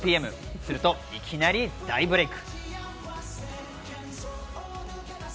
するといきなり大ブレイク。